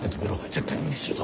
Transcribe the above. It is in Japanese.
絶対にミスるぞ。